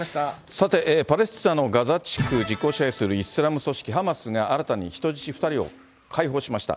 さて、パレスチナのガザ地区を実効支配するハマスが新たに人質２人を解放しました。